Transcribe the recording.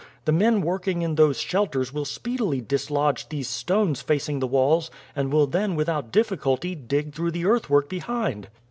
The men working in those shelters will speedily dislodge these stones facing the walls, and will then without difficulty dig through the earthwork behind."